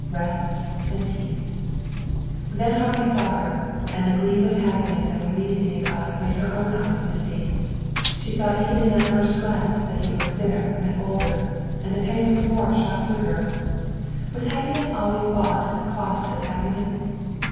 Rest and peace. Then Harvey saw her, and the gleam of happiness and relief in his eyes made her own eyes misty. She saw even in that first glance that he looked thinner and older. A pang of remorse shot through her. Was happiness always bought at the cost of happiness?